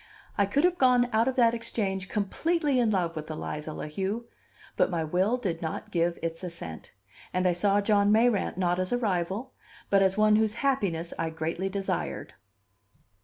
I could have gone out of that Exchange completely in love with Eliza La Heu; but my will did not give its assent, and I saw John Mayrant not as a rival, but as one whose happiness I greatly desired.